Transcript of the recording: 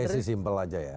kalau saya sih simple aja ya